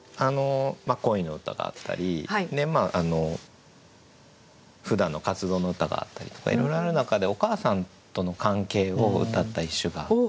恋の歌があったりふだんの活動の歌があったりとかいろいろある中でお母さんとの関係をうたった一首があって。